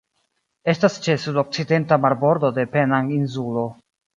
Estas ĉe sudokcidenta marbordo de Penang-insulo.